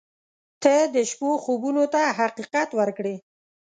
• ته د شپو خوبونو ته حقیقت ورکړې.